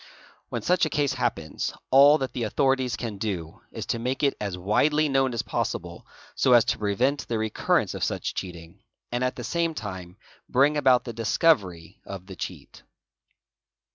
When such a case happens, all that the authorities can — do is to make it as widely known as possible, so as to prevent the recur — rence of such cheating and at the same time bring about the discovery of — the cheat.